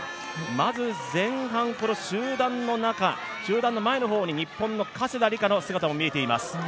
まず前半、集団の中、集団の前の方に、日本の加世田梨花の姿も見えております。